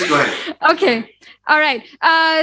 jika anda memiliki pertanyaan